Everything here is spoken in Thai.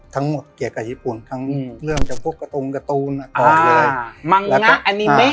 ทั้งหมดเกี่ยวกับญี่ปุ่นทั้งเรื่องจากพวกการ์ตูนการ์ตูนเลย